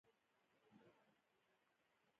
لمسی له خپلو ملګرو سره درس کوي.